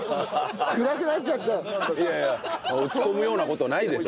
いやいや落ち込むような事ないでしょ